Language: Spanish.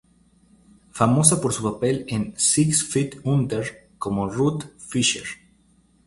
Famosa por su papel en "Six Feet Under" como Ruth Fisher.